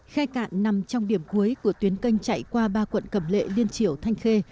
khai cạn nằm trong điểm cuối của tuyến kênh chạy qua ba quận cầm lệ liên triểu thanh khê